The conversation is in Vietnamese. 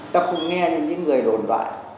ta không nghe những người đồn đoạn